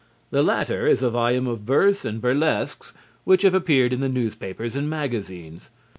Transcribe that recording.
The latter is a volume of verse and burlesques which have appeared in the newspapers and magazines.